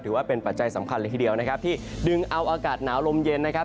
ปัจจัยสำคัญเลยทีเดียวนะครับที่ดึงเอาอากาศหนาวลมเย็นนะครับ